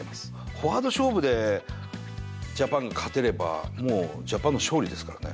フォワード勝負でジャパンが勝てれば、もう、ジャパンの勝利ですからね。